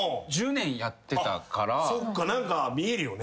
そっか何か見えるよね。